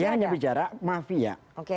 dia hanya bicara mafia